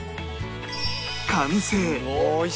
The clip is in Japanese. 完成